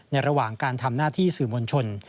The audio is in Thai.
ระหว่างการทำหน้าที่สื่อมวลชน